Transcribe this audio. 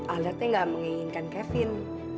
alda teh enggak menginginkan kevin